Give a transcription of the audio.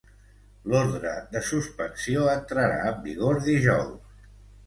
L'ordre de suspensió entrarà en vigor dijous.